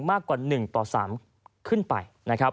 มากกว่า๑ต่อ๓ขึ้นไป